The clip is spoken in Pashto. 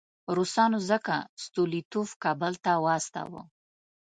روسانو ځکه ستولیتوف کابل ته واستاوه.